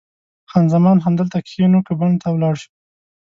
خان زمان: همدلته کښېنو که بڼ ته ولاړ شو؟